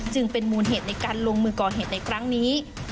จึงเป็นมูลเหตุในการลงมือก่อเหตุในครั้งนี้